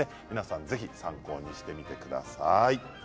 ぜひ参考にしてみてください。